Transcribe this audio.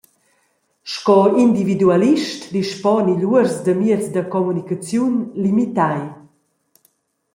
Sco individualist dispona igl uors da mieds da communicaziun limitai.